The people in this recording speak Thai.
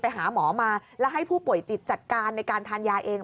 ไปหาหมอมาแล้วให้ผู้ป่วยจิตจัดการในการทานยาเอง